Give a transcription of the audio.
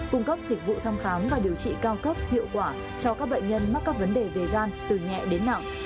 cung cấp dịch vụ thăm khám và điều trị cao cấp hiệu quả cho các bệnh nhân mắc các vấn đề về gan từ nhẹ đến nặng